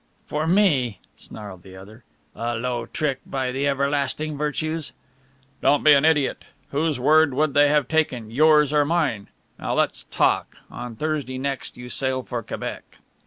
"For me!" snarled the other. "A low trick, by the Everlasting Virtues !" "Don't be an idiot whose word would they have taken, yours or mine? Now let's talk on Thursday next you sail for Quebec...."